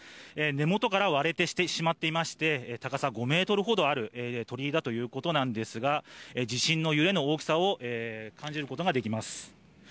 根元から割れてしまっていまして、高さ５メートルほどある鳥居だということなんですが、地震の揺れの大きさを感じることができます。